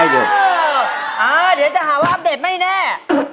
เดี๋ยวจะหาว่าอัปเดตไม่แน่